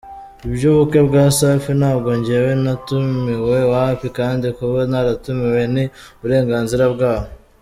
Iby’ubukwe bwa Safi ntabwo njyewe natumiwe, wapi! Kandi kuba ntaratumiwe ni uburenganzira bwabo.